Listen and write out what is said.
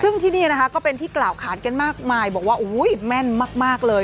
ซึ่งที่นี่นะคะก็เป็นที่กล่าวขานกันมากมายบอกว่าแม่นมากเลย